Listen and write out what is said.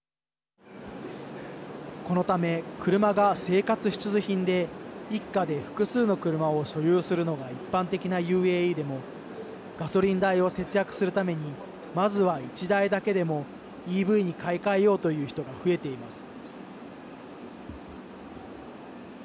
このため、車が生活必需品で一家で複数の車を所有するのが一般的なＵＡＥでもガソリン代を節約するためにまずは１台だけでもＥＶに買い替えようという人が増えています。